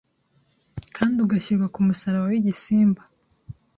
Kandi ugashyirwa kumusaraba wigisimba